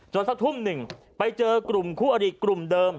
สักทุ่มหนึ่งไปเจอกลุ่มคู่อดีตกลุ่มเดิม